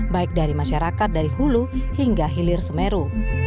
baik dari masyarakat dari hulu hingga hilir semeru